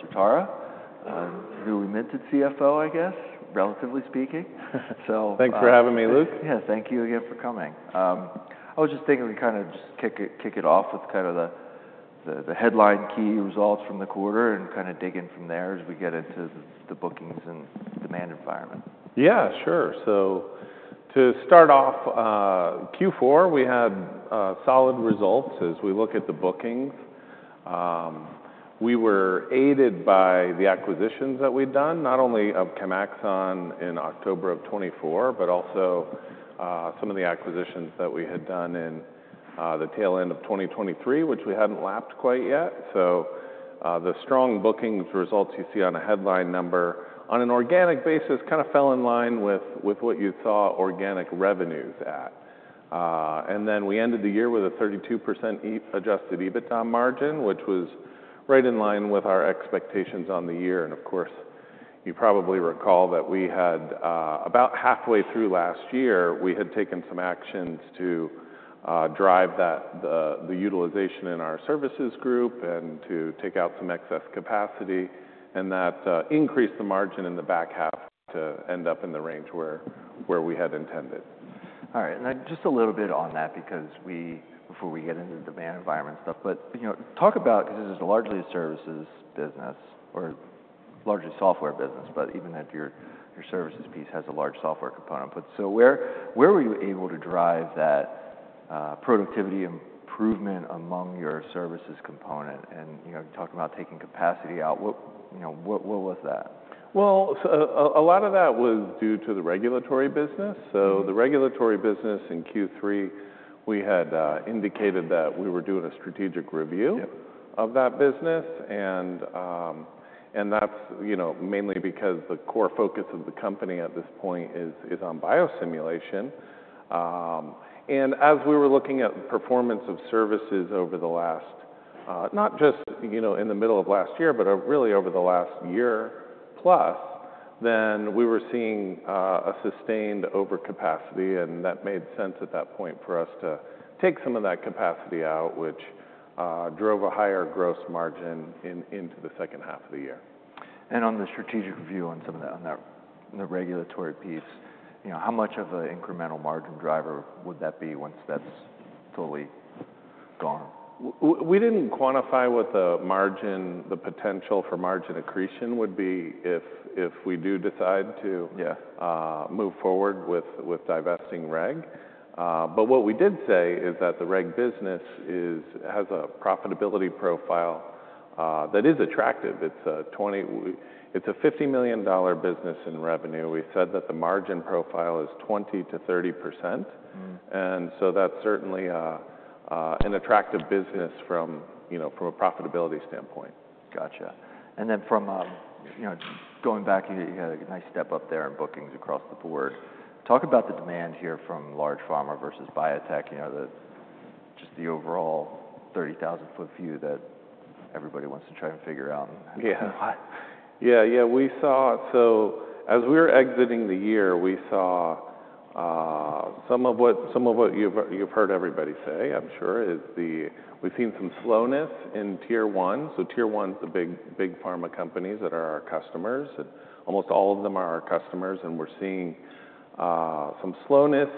From Certara, who we minted CFO, I guess, relatively speaking. Thanks for having me, Luke. Yeah, thank you again for coming. I was just thinking we kind of just kick it off with kind of the headline key results from the quarter and kind of dig in from there as we get into the bookings and demand environment. Yeah, sure. To start off, Q4 we had solid results as we look at the bookings. We were aided by the acquisitions that we'd done, not only of Chemaxon in October of 2024, but also some of the acquisitions that we had done in the tail end of 2023, which we hadn't lapped quite yet. The strong bookings results you see on a headline number on an organic basis kind of fell in line with what you saw organic revenues at. We ended the year with a 32% adjusted EBITDA margin, which was right in line with our expectations on the year. Of course, you probably recall that we had about halfway through last year, we had taken some actions to drive the utilization in our services group and to take out some excess capacity, and that increased the margin in the back half to end up in the range where we had intended. All right. And just a little bit on that, because before we get into the demand environment stuff, but talk about, because this is largely a services business or largely software business, but even if your services piece has a large software component. So where were you able to drive that productivity improvement among your services component? And you talked about taking capacity out. What was that? A lot of that was due to the regulatory business. The regulatory business in Q3, we had indicated that we were doing a strategic review of that business. That is mainly because the core focus of the company at this point is on biosimulation. As we were looking at the performance of services over the last, not just in the middle of last year, but really over the last year plus, we were seeing a sustained overcapacity. That made sense at that point for us to take some of that capacity out, which drove a higher gross margin into the second half of the year. On the strategic review on that regulatory piece, how much of an incremental margin driver would that be once that's fully gone? We did not quantify what the margin, the potential for margin accretion would be if we do decide to move forward with divesting reg. What we did say is that the reg business has a profitability profile that is attractive. It is a $50 million business in revenue. We said that the margin profile is 20%-30%. That is certainly an attractive business from a profitability standpoint. Gotcha. From going back, you had a nice step up there in bookings across the board. Talk about the demand here from large pharma versus biotech, just the overall 30,000-foot view that everybody wants to try and figure out. Yeah, yeah, we saw. As we were exiting the year, we saw some of what you've heard everybody say, I'm sure, is we've seen some slowness in tier one. Tier one is the big pharma companies that are our customers. Almost all of them are our customers. We're seeing some slowness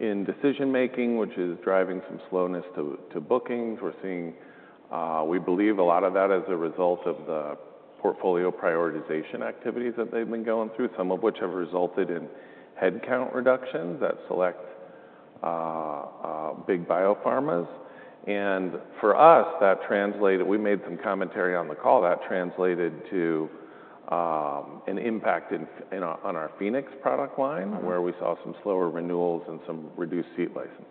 in decision making, which is driving some slowness to bookings. We believe a lot of that is a result of the portfolio prioritization activities that they've been going through, some of which have resulted in headcount reductions at select big biopharmas. For us, that translated, we made some commentary on the call, that translated to an impact on our Phoenix product line, where we saw some slower renewals and some reduced seat licenses.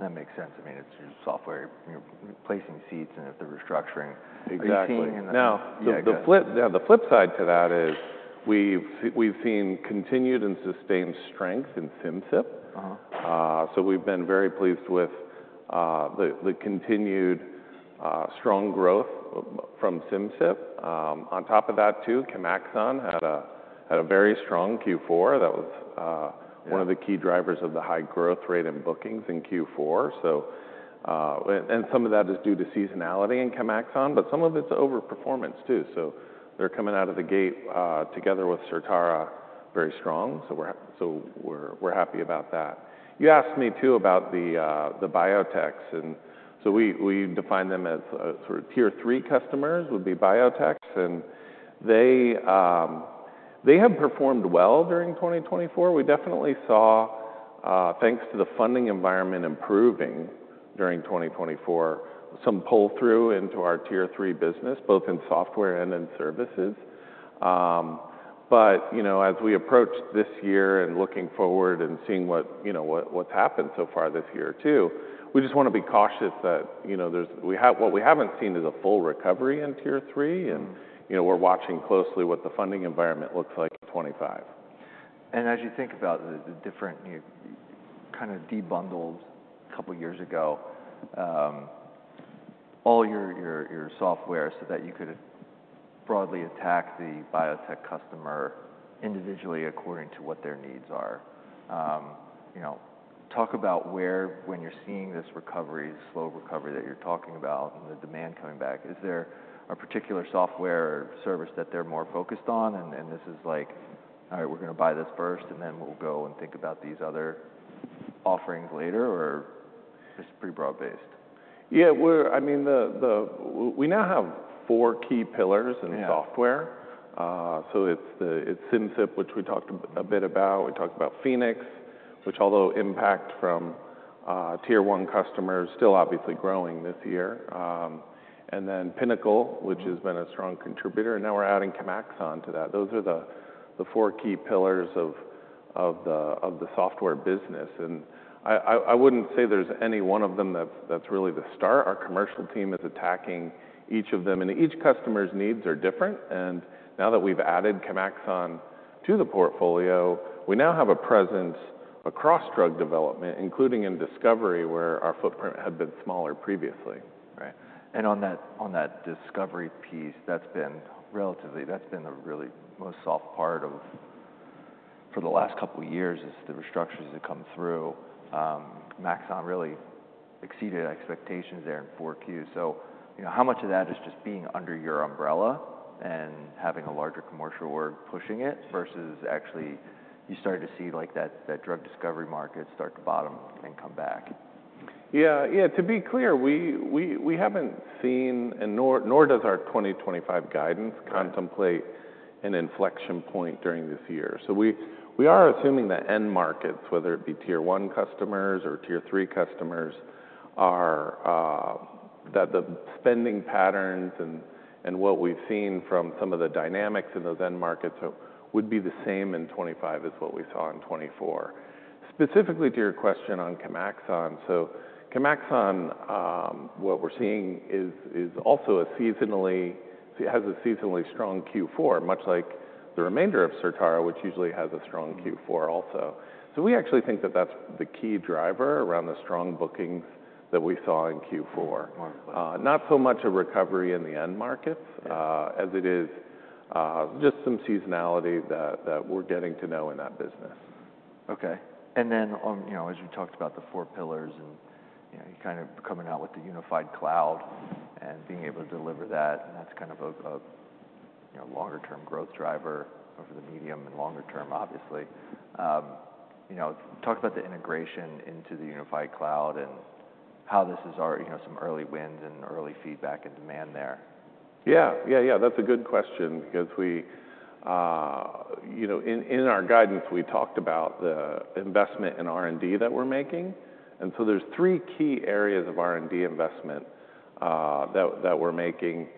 That makes sense. I mean, it's your software, you're replacing seats and if they're restructuring. Exactly. Now, the flip side to that is we've seen continued and sustained strength in Simcyp. We have been very pleased with the continued strong growth from Simcyp. On top of that, too, Chemaxon had a very strong Q4. That was one of the key drivers of the high growth rate in bookings in Q4. Some of that is due to seasonality in Chemaxon, but some of it is overperformance too. They are coming out of the gate together with Certara very strong. We are happy about that. You asked me too about the biotechs. We define them as sort of tier three customers would be biotechs. They have performed well during 2024. We definitely saw, thanks to the funding environment improving during 2024, some pull-through into our tier three business, both in software and in services. As we approach this year and looking forward and seeing what's happened so far this year too, we just want to be cautious that what we haven't seen is a full recovery in tier three. We are watching closely what the funding environment looks like in 2025. As you think about the different kind of debundled a couple of years ago, all your software so that you could broadly attack the biotech customer individually according to what their needs are. Talk about where, when you're seeing this recovery, slow recovery that you're talking about and the demand coming back, is there a particular software service that they're more focused on? Is this like, all right, we're going to buy this first, and then we'll go and think about these other offerings later, or it's pretty broad-based? Yeah, I mean, we now have four key pillars in software. It is Simcyp, which we talked a bit about. We talked about Phoenix, which although impact from tier one customers still obviously growing this year. Pinnacle, which has been a strong contributor. Now we are adding Chemaxon to that. Those are the four key pillars of the software business. I would not say there is any one of them that is really the star. Our commercial team is attacking each of them. Each customer's needs are different. Now that we have added Chemaxon to the portfolio, we now have a presence across drug development, including in discovery, where our footprint had been smaller previously. Right. On that discovery piece, that's been relatively, that's been the really most soft part for the last couple of years is the restructuring that come through. Chemaxon really exceeded expectations there in Q4. How much of that is just being under your umbrella and having a larger commercial org pushing it versus actually you started to see that drug discovery market start to bottom and come back? Yeah, yeah, to be clear, we haven't seen, nor does our 2025 guidance contemplate an inflection point during this year. We are assuming that end markets, whether it be tier one customers or tier three customers, that the spending patterns and what we've seen from some of the dynamics in those end markets would be the same in 2025 as what we saw in 2024. Specifically to your question on Chemaxon, Chemaxon, what we're seeing is also a seasonally, has a seasonally strong Q4, much like the remainder of Certara, which usually has a strong Q4 also. We actually think that that's the key driver around the strong bookings that we saw in Q4. Not so much a recovery in the end markets as it is just some seasonality that we're getting to know in that business. Okay. As you talked about the four pillars and kind of coming out with the unified cloud and being able to deliver that, and that's kind of a longer-term growth driver over the medium and longer term, obviously. Talk about the integration into the unified cloud and how this is some early wins and early feedback and demand there. Yeah, yeah, yeah, that's a good question because in our guidance, we talked about the investment in R&D that we're making. There are three key areas of R&D investment that we're making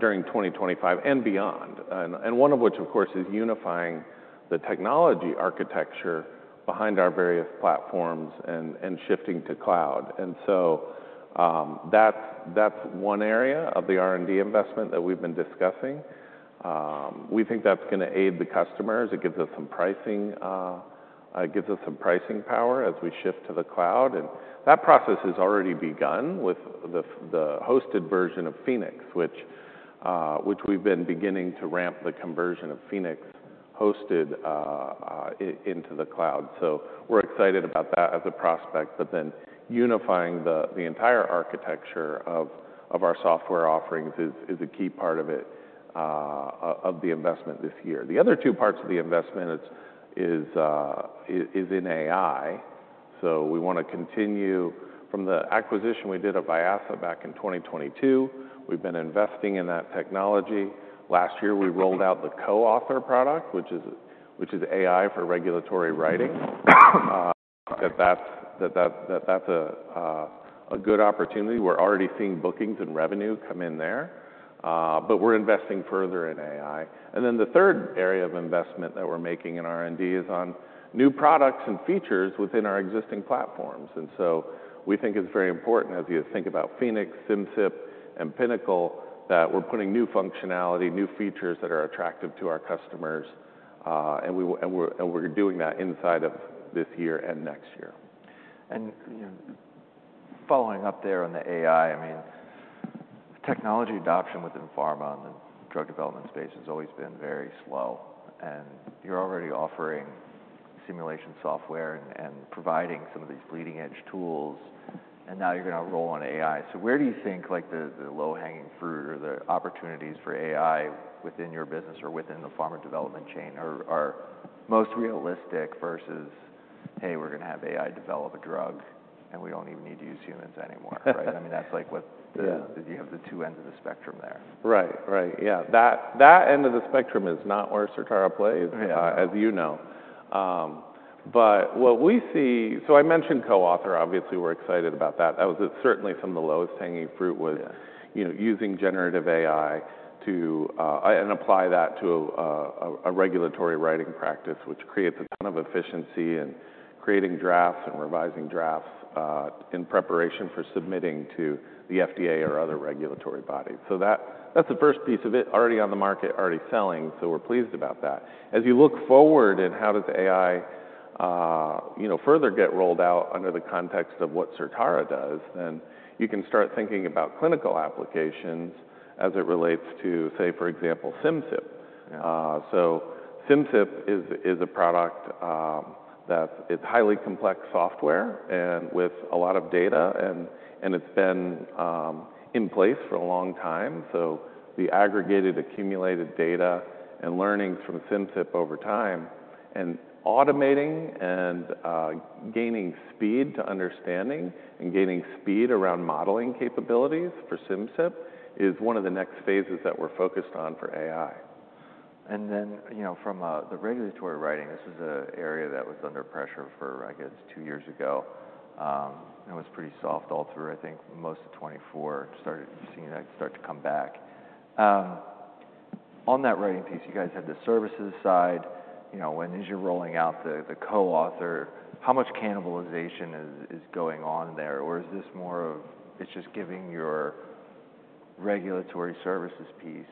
during 2025 and beyond, and one of which, of course, is unifying the technology architecture behind our various platforms and shifting to cloud. That is one area of the R&D investment that we've been discussing. We think that's going to aid the customers. It gives us some pricing, it gives us some pricing power as we shift to the cloud. That process has already begun with the hosted version of Phoenix, which we've been beginning to ramp the conversion of Phoenix hosted into the cloud. We're excited about that as a prospect, but then unifying the entire architecture of our software offerings is a key part of it of the investment this year. The other two parts of the investment is in AI. We want to continue from the acquisition we did of Vyasa back in 2022. We've been investing in that technology. Last year, we rolled out the Co-Author product, which is AI for regulatory writing. That's a good opportunity. We're already seeing bookings and revenue come in there, but we're investing further in AI. The third area of investment that we're making in R&D is on new products and features within our existing platforms. We think it's very important as you think about Phoenix, Simcyp, and Pinnacle that we're putting new functionality, new features that are attractive to our customers. We're doing that inside of this year and next year. Following up there on the AI, I mean, technology adoption within pharma and the drug development space has always been very slow. You're already offering simulation software and providing some of these bleeding-edge tools, and now you're going to roll on AI. Where do you think the low-hanging fruit or the opportunities for AI within your business or within the pharma development chain are most realistic versus, hey, we're going to have AI develop a drug and we do not even need to use humans anymore, right? I mean, that is like what you have, the two ends of the spectrum there. Right, right. Yeah. That end of the spectrum is not where Certara plays, as you know. What we see, so I mentioned Co-Author, obviously we're excited about that. That was certainly some of the lowest hanging fruit was using generative AI and apply that to a regulatory writing practice, which creates a ton of efficiency in creating drafts and revising drafts in preparation for submitting to the FDA or other regulatory bodies. That is the first piece of it already on the market, already selling. We are pleased about that. As you look forward and how does AI further get rolled out under the context of what Certara does, you can start thinking about clinical applications as it relates to, say, for example, Simcyp. Simcyp is a product that's highly complex software and with a lot of data. It's been in place for a long time. The aggregated, accumulated data and learnings from Simcyp over time and automating and gaining speed to understanding and gaining speed around modeling capabilities for Simcyp is one of the next phases that we're focused on for AI. From the regulatory writing, this was an area that was under pressure for, I guess, two years ago. It was pretty soft all through, I think most of 2024, started seeing that start to come back. On that writing piece, you guys had the services side. When is you're rolling out the Co-Author, how much cannibalization is going on there? Or is this more of it's just giving your regulatory services piece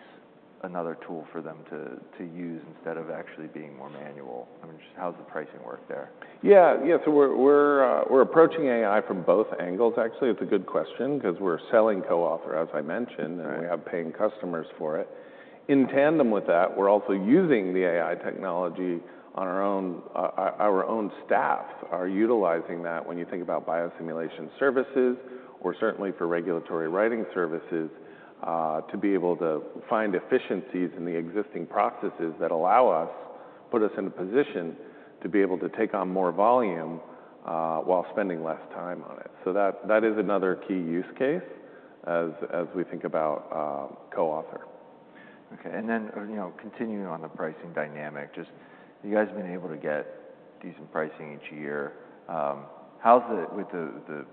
another tool for them to use instead of actually being more manual? I mean, just how's the pricing work there? Yeah, yeah. We're approaching AI from both angles, actually. It's a good question because we're selling Co-Author, as I mentioned, and we have paying customers for it. In tandem with that, we're also using the AI technology on our own staff, are utilizing that when you think about biosimulation services or certainly for regulatory writing services to be able to find efficiencies in the existing processes that allow us, put us in a position to be able to take on more volume while spending less time on it. That is another key use case as we think about Co-Author. Okay. Continuing on the pricing dynamic, just you guys have been able to get decent pricing each year. How's it with the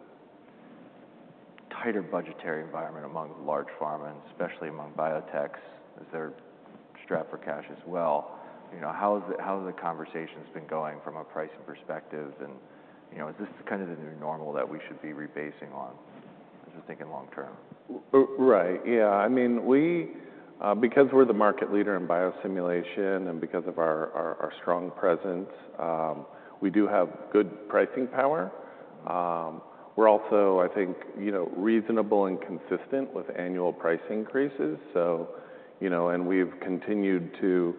tighter budgetary environment among large pharma, and especially among biotechs? Is there a strap for cash as well? How have the conversations been going from a pricing perspective? Is this kind of the new normal that we should be rebasing on? Just thinking long term. Right. Yeah. I mean, because we're the market leader in biosimulation and because of our strong presence, we do have good pricing power. We're also, I think, reasonable and consistent with annual price increases. We've continued to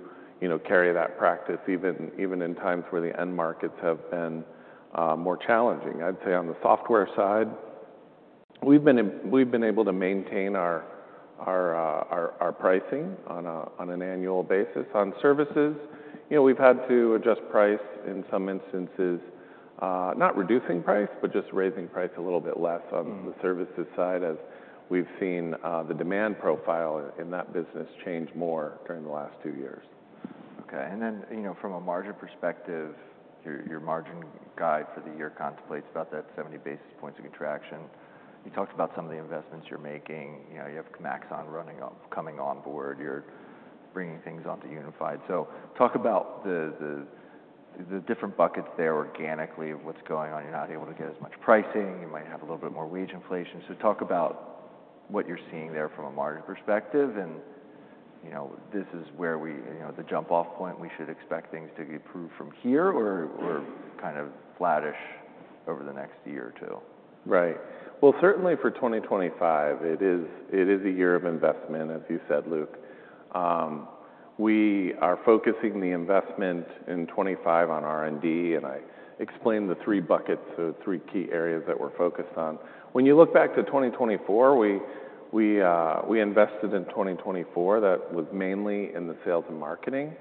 carry that practice even in times where the end markets have been more challenging. I'd say on the software side, we've been able to maintain our pricing on an annual basis. On services, we've had to adjust price in some instances, not reducing price, but just raising price a little bit less on the services side as we've seen the demand profile in that business change more during the last two years. Okay. From a margin perspective, your margin guide for the year contemplates about that 70 basis points of contraction. You talked about some of the investments you're making. You have Chemaxon coming on board. You're bringing things onto unified. Talk about the different buckets there organically, what's going on. You're not able to get as much pricing. You might have a little bit more wage inflation. Talk about what you're seeing there from a margin perspective. This is where the jump-off point, we should expect things to be approved from here or kind of flattish over the next year or two. Right. Certainly for 2025, it is a year of investment, as you said, Luke. We are focusing the investment in 2025 on R&D. I explained the three buckets, so three key areas that we're focused on. When you look back to 2024, we invested in 2024. That was mainly in the sales and marketing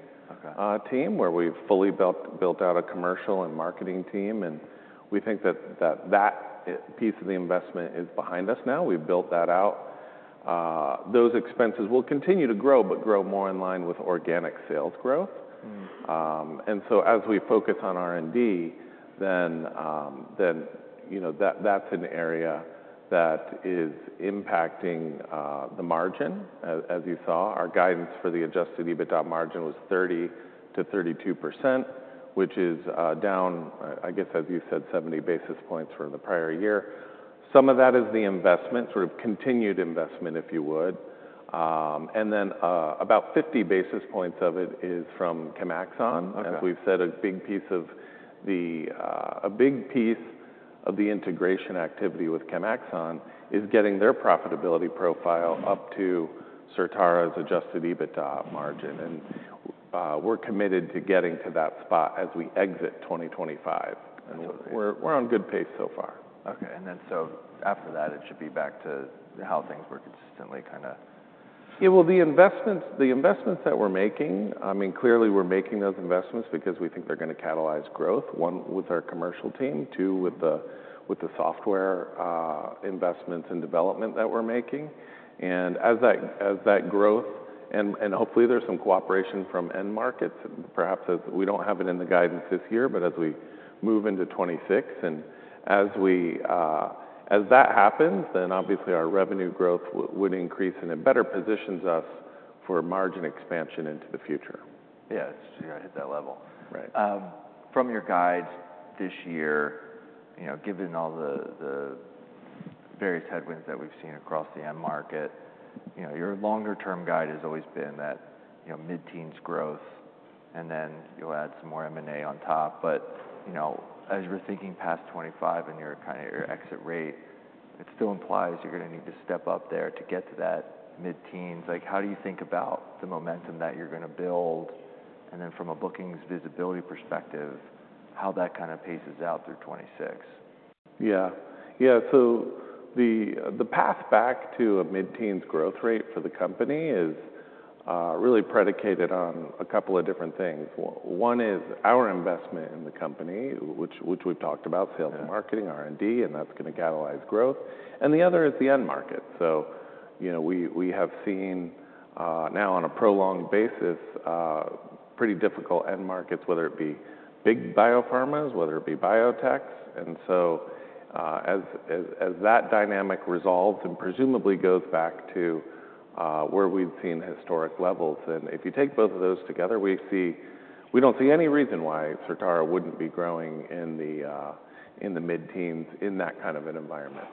team where we've fully built out a commercial and marketing team. We think that that piece of the investment is behind us now. We've built that out. Those expenses will continue to grow, but grow more in line with organic sales growth. As we focus on R&D, then that's an area that is impacting the margin, as you saw. Our guidance for the adjusted EBITDA margin was 30%-32%, which is down, I guess, as you said, 70 basis points from the prior year. Some of that is the investment, sort of continued investment, if you would. Then about 50 basis points of it is from Chemaxon. As we've said, a big piece of the integration activity with Chemaxon is getting their profitability profile up to Certara's adjusted EBITDA margin. We're committed to getting to that spot as we exit 2025. We're on good pace so far. Okay. After that, it should be back to how things were consistently, kind of. Yeah, well, the investments that we're making, I mean, clearly we're making those investments because we think they're going to catalyze growth, one with our commercial team, two with the software investments and development that we're making. As that growth, and hopefully there's some cooperation from end markets, perhaps as we don't have it in the guidance this year, but as we move into 2026 and as that happens, then obviously our revenue growth would increase and it better positions us for margin expansion into the future. Yeah, it's just going to hit that level. From your guides this year, given all the various headwinds that we've seen across the end market, your longer-term guide has always been that mid-teens growth, and then you'll add some more M&A on top. As you're thinking past 2025 and your kind of exit rate, it still implies you're going to need to step up there to get to that mid-teens. How do you think about the momentum that you're going to build? From a bookings visibility perspective, how that kind of paces out through 2026? Yeah. Yeah. The path back to a mid-teens growth rate for the company is really predicated on a couple of different things. One is our investment in the company, which we've talked about, sales, marketing, R&D, and that's going to catalyze growth. The other is the end market. We have seen now on a prolonged basis, pretty difficult end markets, whether it be big biopharmas, whether it be biotechs. As that dynamic resolves and presumably goes back to where we've seen historic levels, if you take both of those together, we don't see any reason why Certara wouldn't be growing in the mid-teens in that kind of an environment.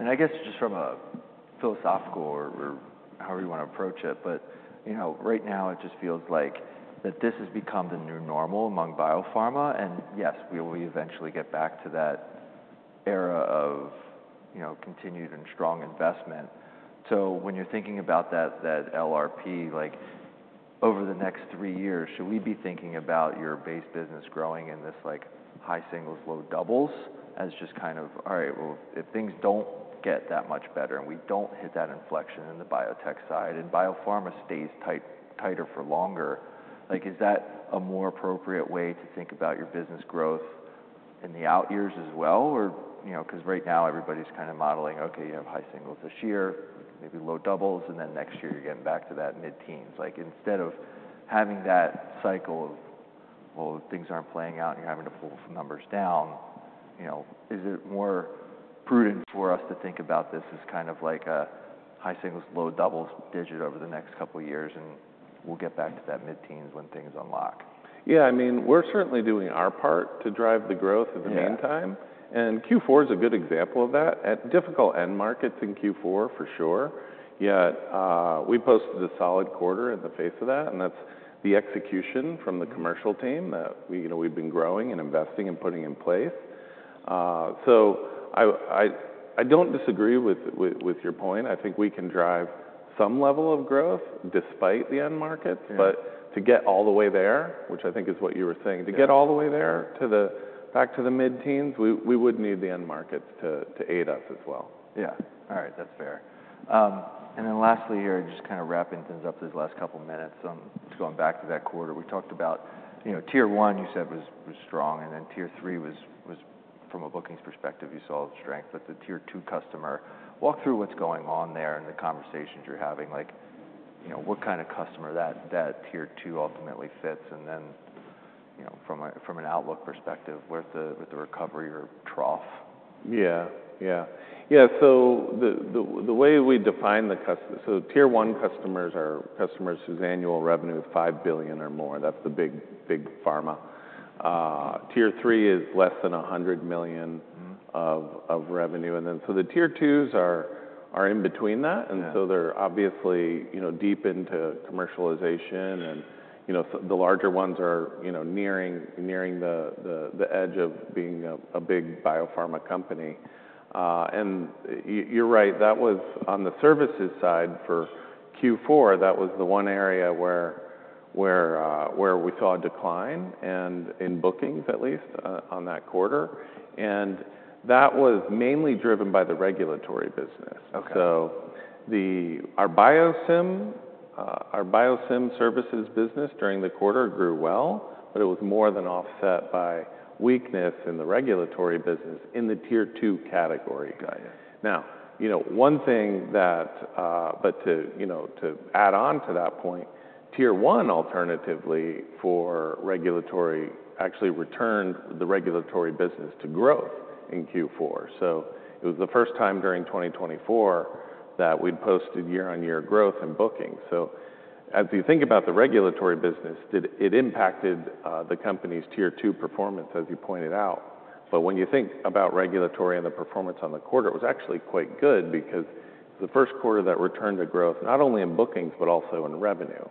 I guess just from a philosophical or however you want to approach it, but right now it just feels like this has become the new normal among biopharma. Yes, we will eventually get back to that era of continued and strong investment. When you're thinking about that LRP, over the next three years, should we be thinking about your base business growing in this high singles, low doubles as just kind of, all right, well, if things do not get that much better and we do not hit that inflection in the biotech side and biopharma stays tighter for longer, is that a more appropriate way to think about your business growth in the out years as well? Right now everybody's kind of modeling, okay, you have high singles this year, maybe low doubles, and then next year you're getting back to that mid-teens. Instead of having that cycle of, well, things aren't playing out and you're having to pull some numbers down, is it more prudent for us to think about this as kind of like a high singles, low doubles digit over the next couple of years and we'll get back to that mid-teens when things unlock? Yeah. I mean, we're certainly doing our part to drive the growth in the meantime. Q4 is a good example of that. Difficult end markets in Q4 for sure, yet we posted a solid quarter in the face of that. That's the execution from the commercial team that we've been growing and investing and putting in place. I don't disagree with your point. I think we can drive some level of growth despite the end markets. To get all the way there, which I think is what you were saying, to get all the way there back to the mid-teens, we would need the end markets to aid us as well. Yeah. All right. That's fair. Lastly, just kind of wrapping things up these last couple of minutes, going back to that quarter, we talked about tier one, you said was strong, and then tier three was from a bookings perspective, you saw strength, but the tier two customer. Walk through what's going on there and the conversations you're having. What kind of customer that tier two ultimately fits? From an outlook perspective, where's the recovery or trough? Yeah, yeah. Yeah. The way we define the customer, tier one customers are customers whose annual revenue is $5 billion or more. That's the big pharma. Tier three is less than $100 million of revenue. The tier twos are in between that. They're obviously deep into commercialization. The larger ones are nearing the edge of being a big biopharma company. You're right, that was on the services side for Q4, that was the one area where we saw a decline in bookings, at least on that quarter. That was mainly driven by the regulatory business. Our biosimulation services business during the quarter grew well, but it was more than offset by weakness in the regulatory business in the tier two category. Now, one thing that, to add on to that point, tier one alternatively for regulatory actually returned the regulatory business to growth in Q4. It was the first time during 2024 that we'd posted year-on-year growth in bookings. As you think about the regulatory business, it impacted the company's tier two performance, as you pointed out. When you think about regulatory and the performance on the quarter, it was actually quite good because it was the first quarter that returned to growth, not only in bookings, but also in revenue.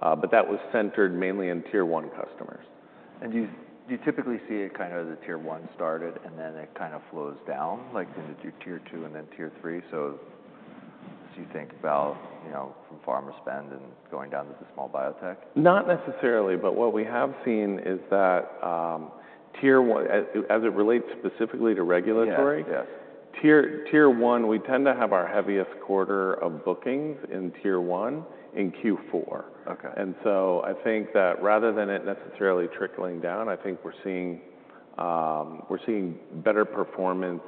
That was centered mainly in tier one customers. Do you typically see it kind of as a tier one started and then it kind of flows down, like into tier two and then tier three? As you think about pharma spend and going down to the small biotech? Not necessarily, but what we have seen is that tier one, as it relates specifically to regulatory, tier one, we tend to have our heaviest quarter of bookings in tier one in Q4. I think that rather than it necessarily trickling down, I think we're seeing better performance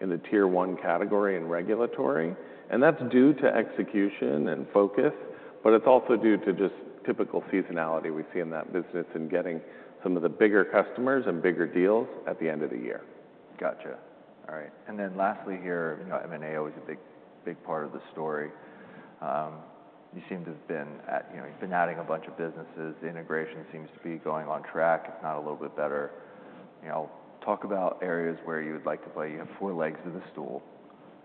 in the tier one category in regulatory. That's due to execution and focus, but it's also due to just typical seasonality we see in that business and getting some of the bigger customers and bigger deals at the end of the year. Gotcha. All right. Lastly here, M&A always a big part of the story. You seem to have been adding a bunch of businesses. The integration seems to be going on track, if not a little bit better. Talk about areas where you would like to play. You have four legs of the stool.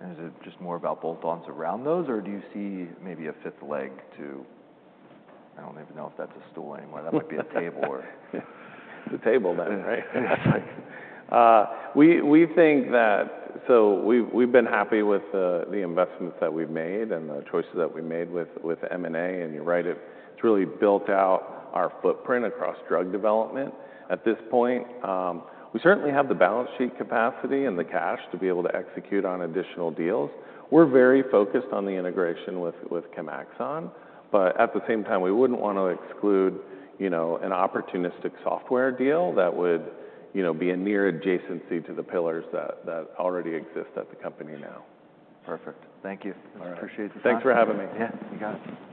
Is it just more about bolt-ons around those, or do you see maybe a fifth leg to, I do not even know if that is a stool anymore. That might be a table or. It's a table then, right? Yeah. We think that, we've been happy with the investments that we've made and the choices that we've made with M&A. You're right, it's really built out our footprint across drug development at this point. We certainly have the balance sheet capacity and the cash to be able to execute on additional deals. We're very focused on the integration with Chemaxon, but at the same time, we wouldn't want to exclude an opportunistic software deal that would be a near adjacency to the pillars that already exist at the company now. Perfect. Thank you. Appreciate your time. Thanks for having me. Yeah, you got it. Thanks again.